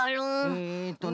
えっとね